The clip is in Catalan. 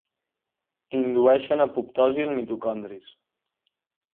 Indueixen apoptosi en mitocondris.